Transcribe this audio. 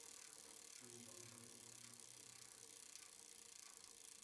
A special case of the semicubical parabola is the evolute of the parabola.